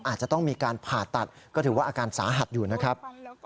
อาจจะต้องมีการผ่าตัดก็ถือว่าอาการสาหัสอยู่นะครับ